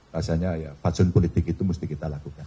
rasanya ya fatsun politik itu mesti kita lakukan